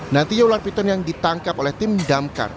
nantinya ular piton yang ditangkap oleh tim damkar